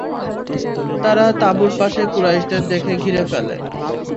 তারা তাঁবুর পাশে কুরাইশদের দেখে ঘিরে ফেলে।